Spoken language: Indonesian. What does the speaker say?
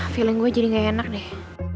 feeling gue jadi gak enak deh